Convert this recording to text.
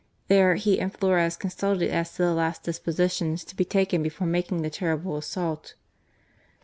There he and Flores consulted as to the last dispositions to be taken before making the terrible assault.